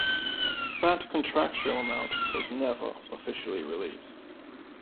That contractual amount was never officially released.